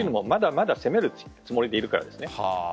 まだまだ攻めるつもりでいるからです。